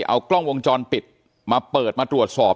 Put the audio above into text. เอากล้องวงจรปิดมาเปิดมาตรวจสอบ